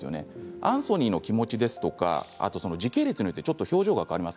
アンソニーの気持ち時系列によって表情が変わります。